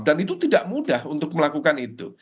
dan itu tidak mudah untuk melakukan itu